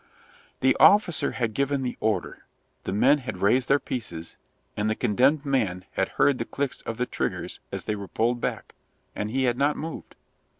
The officer had given the order, the men had raised their pieces, and the condemned man had heard the clicks of the triggers as they were pulled back, and he had not moved.